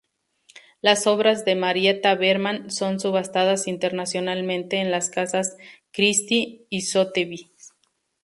Las obras de Marietta Berman son subastadas internacionalmente en las casas Christie's y Sotheby's.